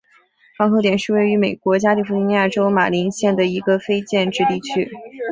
港口点是位于美国加利福尼亚州马林县的一个非建制地区。